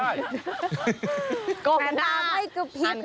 กลมหน้าไม่กระพริบน้ำไรก็ไหล